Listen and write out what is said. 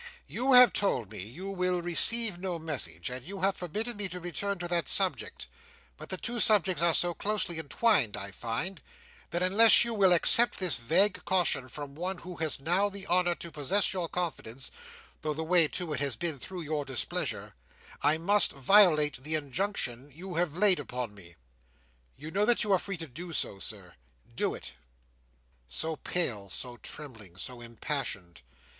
You have told me you will receive no message, and you have forbidden me to return to that subject; but the two subjects are so closely entwined, I find, that unless you will accept this vague caution from one who has now the honour to possess your confidence, though the way to it has been through your displeasure, I must violate the injunction you have laid upon me." "You know that you are free to do so, Sir," said Edith. "Do it." So pale, so trembling, so impassioned!